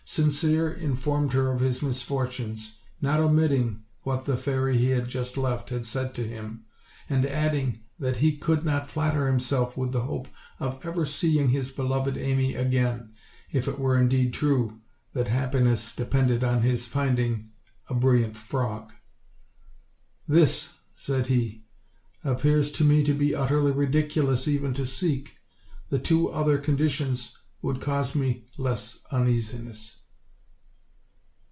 Sincere informed her of his misfortunes, not omitting what the fairy he had just left had said to him, and adding that he could not flatter himself with the hope of ever seeing his beloved Amy again, if it were in deed true that that happiness depended on his finding i. brilliant frog. "This," said he, "appears to me to be ut terly ridiculous even to seek; the two other conditions would cause me less uneasiness."